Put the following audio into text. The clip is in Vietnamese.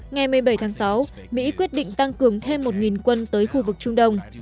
ngày một mươi bảy tháng sáu mỹ quyết định tăng cường thêm một quân tới khu vực trung đông